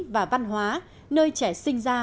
và văn hóa nơi trẻ sinh ra